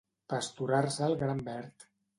Pasturar-se el gran verd.